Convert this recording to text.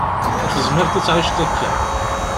Ur tezmireḍ ad tεiceḍ akka.